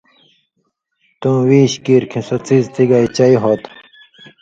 تُوں ویش کِیریۡ کھیں سو څیز تی گائ چئی ہو تُھو۔